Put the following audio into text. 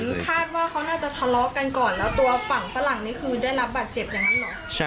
คาดว่าเขาน่าจะทะเลาะกันก่อนแล้วตัวฝั่งฝรั่งนี่คือได้รับบาดเจ็บอย่างนั้นเหรอ